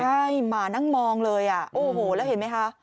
ใช่หมานั่งมองเลยอ่ะโอ้โหแล้วเห็นไหมคะ